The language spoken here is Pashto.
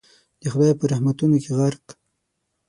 د خدای په رحمتونو کي غرق